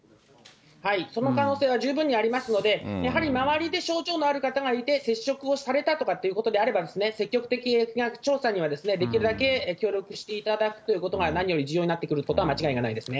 その可能性は十分にありますので、やはり周りで症状のある方がいて、接触をされたとかっていうことであれば、積極的疫学調査にはできるだけ協力していただくということが何より重要になってくることは間違いないですね。